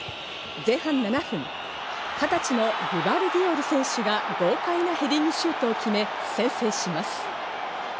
前半７分、２０歳のグバルディオル選手が豪快なヘディングシュートを決め先制します。